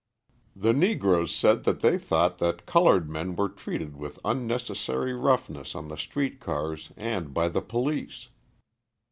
The Negroes said that they thought that coloured men were treated with unnecessary roughness on the street cars and by the police.